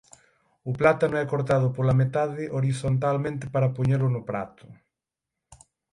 O plátano é cortado pola metade horizontalmente para poñelo no prato.